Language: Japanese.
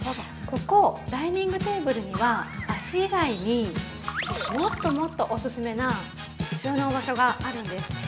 ここダイニングテーブルには脚以外に、もっともっとオススメな収納場所があるんです。